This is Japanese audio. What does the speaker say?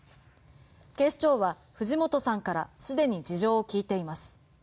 警視庁は藤本さんからすでに事情を聴いています。